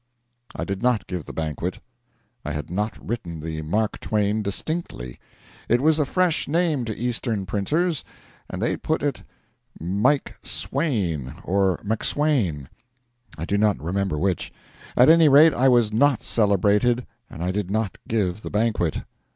I did not give the banquet. I had not written the 'MARK TWAIN' distinctly; it was a fresh name to Eastern printers, and they put it 'Mike Swain' or 'MacSwain,' I do not remember which. At any rate, I was not celebrated and I did not give the banquet.